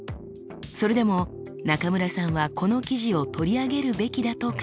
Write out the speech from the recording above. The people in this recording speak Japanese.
それでも中村さんはこの記事を取り上げるべきだと考えました。